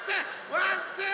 ワンツー！